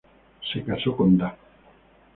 Se casó con Da.